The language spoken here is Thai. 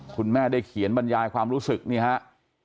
คุณแม่ได้เขียนบรรยายความรู้สึกนี่ครับ